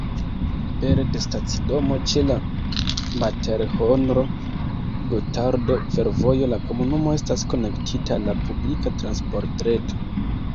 Pere de stacidomo ĉe la Materhonro-Gothardo-Fervojo la komunumo estas konektita al la publika transportreto.